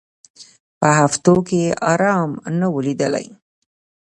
په هفتو کي یې آرام نه وو لیدلی